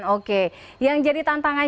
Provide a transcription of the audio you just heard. oke yang jadi tantangan